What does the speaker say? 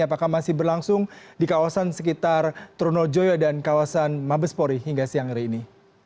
apakah masih berlangsung di kawasan sekitar tronojoyo dan kawasan mabespori hingga siang hari ini